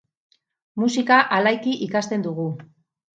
Musika alaiki ikasten dugu.